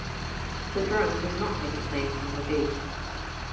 The drone does not take its name from the bee.